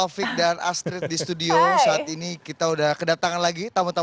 budi dan intan